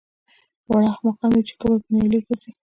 واړه احمقان دي چې د کبر په نیلي ګرځي